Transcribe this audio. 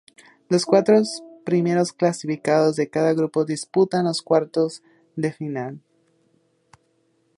Los cuatro primeros clasificados de cada grupo disputan los cuartos de final.